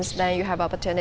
sekarang kamu ada kesempatan